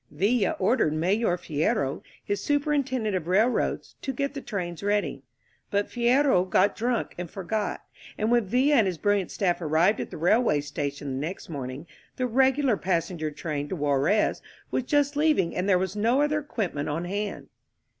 Villa ordered Major Fierro, his S\i 1 perintendent of Railroads, to get the trains ready —•" but Fierro got drunk and forgot; and when Villa and his brilliant staff arrived at the railway station the next morning the regular passenger train to Juarez was just leaving and there was no other equipment on hand.